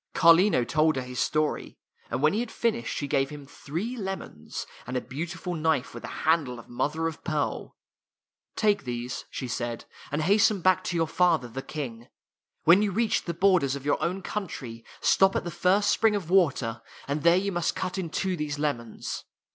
Carlino told her his story, and when he had finished she gave him three lemons, and a beautiful knife with a handle of mother of pearl. " Take these," she said, " and hasten back to your father, the King. When you reach the borders of your own country, stop at the first spring of water, and there you must [ 4 ] THE THREE LEMONS cut in two these lemons.